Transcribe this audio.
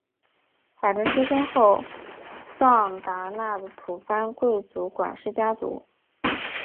法成出生于后藏达那的吐蕃贵族管氏家族。